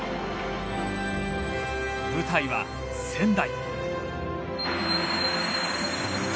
舞台は仙台。